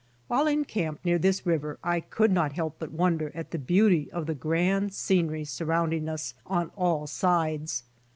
TVTiile in camp near this river I could not help but wonder at the beauty of the grand scenery surrounding us on all sides.